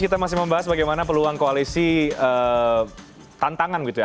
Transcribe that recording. kita masih membahas bagaimana peluang koalisi tantangan gitu ya